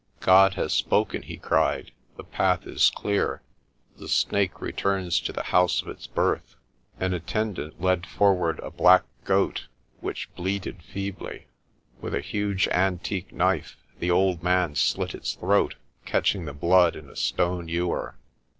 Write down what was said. "God has spoken," he cried. "The path is clear. The Snake returns to the house of its birth." An attendant led forward a black goat, which bleated feebly. With a huge antique knife, the old man slit its throat, catching the blood in a stone ewer.